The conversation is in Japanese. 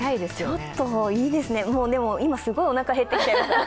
ちょっといいですね、でも、今すごいおなか減ってきちゃいました。